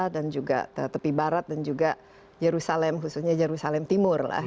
dan juga tepi barat dan juga jerusalem khususnya jerusalem timur lah